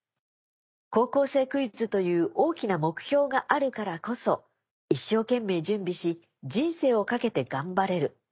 『高校生クイズ』という大きな目標があるからこそ一生懸命準備し人生を懸けて頑張れる。